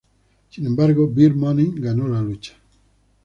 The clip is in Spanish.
Sin embargo, Beer Money ganó la lucha.